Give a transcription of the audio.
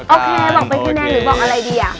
โอเคบอกเป็นประกาศได้ไหมหรือบอกอะไรดีอะ